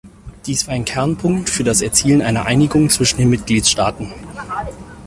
Dies war ein Kernpunkt für das Erzielen einer Einigung zwischen den Mitgliedstaaten.